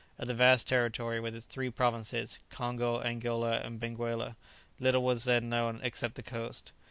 Of the vast territory, with its three provinces, Congo, Angola, and Benguela, little was then known except the coast.